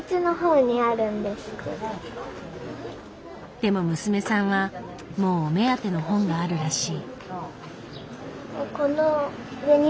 でも娘さんはもうお目当ての本があるらしい。